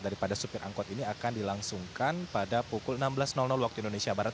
daripada supir angkot ini akan dilangsungkan pada pukul enam belas waktu indonesia barat